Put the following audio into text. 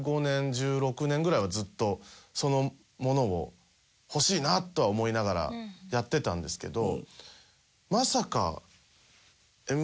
１５年１６年ぐらいはずっとそのものを欲しいなとは思いながらやってたんですけど。